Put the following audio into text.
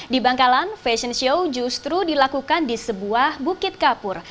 di bangkalan fashion show justru dilakukan di sebuah bukit kapur